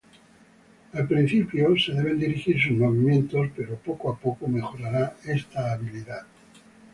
Al principio se deben dirigir sus movimientos, pero poco a poco mejorará esta habilidad.